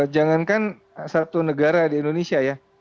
jangankan satu negara di indonesia ya